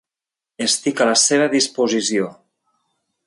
Estic a la seva disposició.